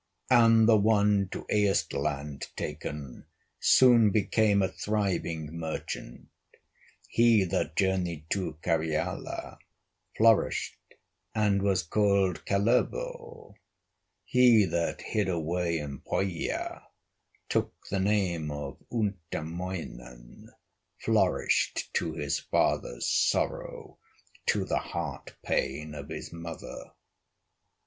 And the one to Ehstland taken Soon became a thriving merchant; He that journeyed to Karyala Flourished and was called Kalervo; He that hid away in Pohya Took the name of Untamoinen, Flourished to his father's sorrow, To the heart pain of his mother.